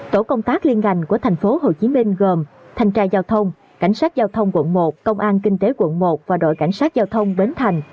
tổ công tác liên ngành của tp hcm gồm thành tra giao thông cảnh sát giao thông quận một công an kinh tế quận một và đội cảnh sát giao thông bến thành